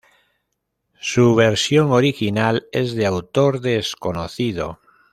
Su versión original es de autor desconocido.